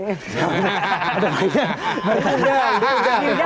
udah udah udah